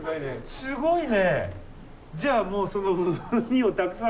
すごいね。